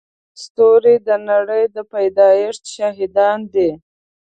ستوري د نړۍ د پيدایښت شاهدان دي.